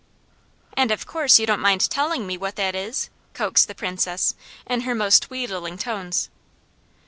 "And of course you don't mind telling me what that is?" coaxed the Princess in her most wheedling tones.